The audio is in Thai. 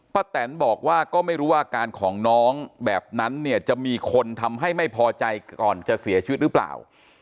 แตนบอกว่าก็ไม่รู้ว่าอาการของน้องแบบนั้นเนี่ยจะมีคนทำให้ไม่พอใจก่อนจะเสียชีวิตหรือเปล่า